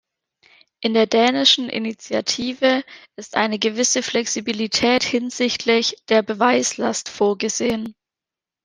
In der dänischen Initiative ist eine gewisse Flexibilität hinsichtlich der Beweislast vorgesehen.